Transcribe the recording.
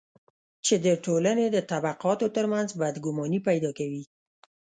چې د ټولنې د طبقاتو ترمنځ بدګماني پیدا کوي.